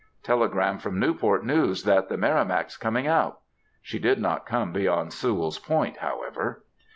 "Telegram from Newport's News that the Merrimack is coming out!" She did not come beyond Sewall's Point, however.